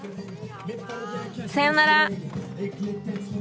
さよなら。